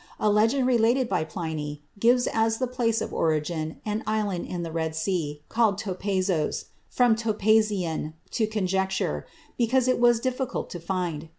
A legend related by Pliny gives as the place of origin an island in the Red Sea, called Topazos, from topazein, "to conjecture," because it was difficult to find.